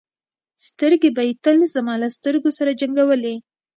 سترګې به یې تل زما له سترګو سره جنګولې.